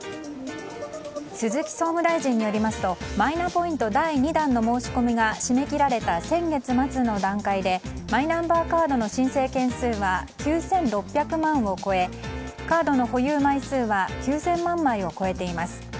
鈴木総務大臣によりますとマイナポイント第２弾の申し込みが締め切られた先月末の段階でマイナンバーカードの申請件数は９６００万を超えカードの保有枚数は９０００万枚を超えています。